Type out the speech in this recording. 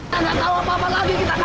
kita tidak tahu apa apa lagi kita kaget